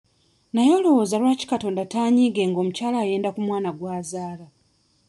Naye olowooza lwaki Katonda taanyiige ng'omukyala ayenda ku mwana gw'azaala?